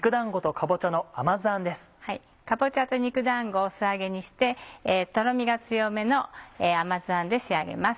かぼちゃと肉だんごを素揚げにしてとろみが強めの甘酢あんで仕上げます。